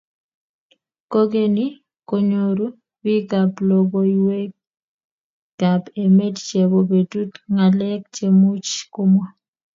kogeny, konyoru biikap logoiywekab emet chebo betut ngalek chemuch komwaa